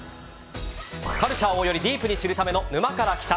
カルチャーをよりディープに知るための「沼から来た。」。